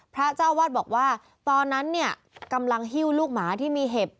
เจ้าอาวาสบอกว่าตอนนั้นเนี่ยกำลังหิ้วลูกหมาที่มีเห็บ